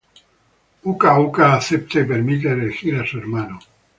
Uka Uka acepta y permite elegir a su hermano.